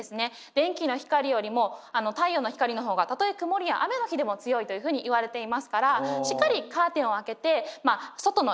電気の光よりも太陽の光の方がたとえ曇りや雨の日でも強いというふうにいわれていますからしっかりカーテンを開けて外の光を浴びる。